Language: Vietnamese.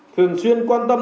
thường xuyên quan tâm